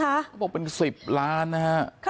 เขาบอกเป็น๑๐ล้านนะฮะ